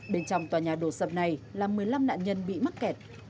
bên trong tòa nhà đổ sập này là một mươi năm nạn nhân bị mắc kẹt